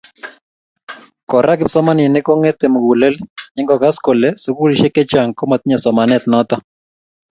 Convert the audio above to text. Kora kipsomaninik kongete mugulel ye ngokas kole sukulisiek che chang komatinye somanet noto.